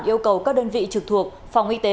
yêu cầu các đơn vị trực thuộc phòng y tế